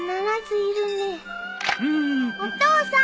お父さん。